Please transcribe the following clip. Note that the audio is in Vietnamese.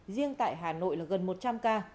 riêng tại hà nội là gần một trăm linh ca